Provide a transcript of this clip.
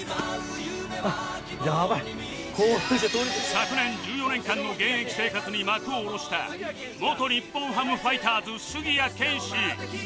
昨年１４年間の現役生活に幕を下ろした元日本ハムファイターズ杉谷拳士